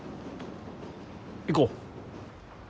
行こう。